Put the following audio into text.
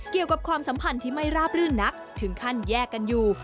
ความสัมพันธ์ที่ไม่ราบรื่นนักถึงขั้นแยกกันอยู่